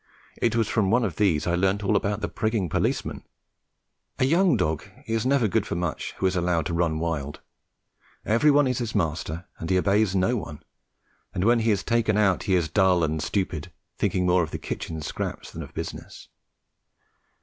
It was from one of these I learnt all about the prigging policeman. A young dog is never good for much who is allowed to run wild; every one is his master and he obeys no one, and when he is taken out he is dull and stupid, thinking more of the kitchen scraps than of business.